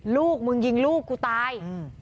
ลูกมึงยิงลูกกูตาย